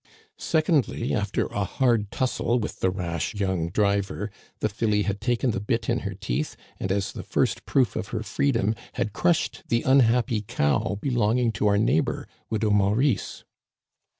Secondly, after a hard tussle with the rash young driver, the filly had taken the bit in her teeth, and as the first proof of her freedom had crushed the un happy cow belonging to our neighbor Widow Mau rice."